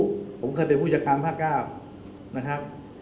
ผมเคยเป็นผู้จัดการภาค๙นะครับ